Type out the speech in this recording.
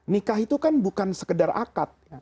nikah itu kan bukan sekedar akad